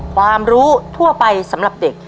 ความรู้ทั่วไปสำหรับเด็ก